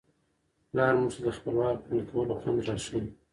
پلار موږ ته د خپلواک ژوند کولو خوند را ښيي.